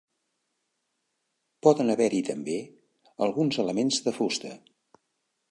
Poden haver-hi també alguns elements de fusta.